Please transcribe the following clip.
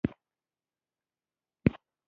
په دنداسه یې غاښونه سپین پړق واړول